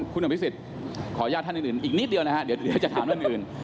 คุณอมพิสิทธิ์ขออนุญาตท่านอื่นอีกนิดเดียวนะครับเดี๋ยวจะถามอื่น